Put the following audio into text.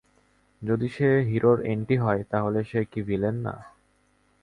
যদি সে হিরোর এন্টি হয়, তাহলে সে কি ভিলেন না?